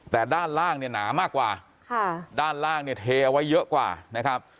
แต่ด้านล่างเนี่ยหนามากกว่าค่ะด้านล่างเนี่ยเทเอาไว้เยอะกว่านะครับ